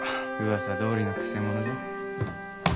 噂どおりのくせ者だ。